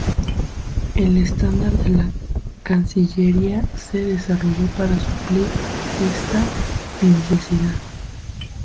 El estándar de la cancillería se desarrolló para suplir esta necesidad.